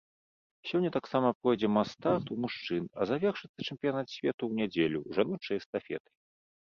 Сёння таксама пройдзе мас-старт у мужчын, а завершыцца чэмпіянат свету ў нядзелю жаночай эстафетай.